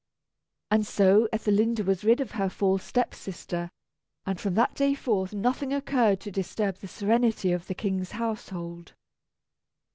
And so Ethelinda was rid of her false step sister, and from that day forth nothing occurred to disturb the serenity of the King's household.